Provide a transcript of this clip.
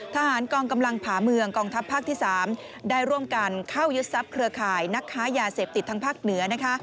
ทหารกองกำลังผ่าเมืองกองทัพภาคที่๓ได้ร่วมกันเข้ายึดทรัพย์เครือข่ายนักค้ายาเสพติดทางภาคเหนือ